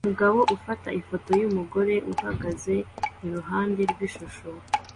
Umugabo afata ifoto yumugore uhagaze iruhande rwishusho